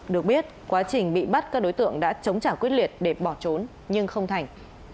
được biết quá trình bị bắt các đối tượng đã chống trả quyết liệt để bỏ trốn nhưng không thành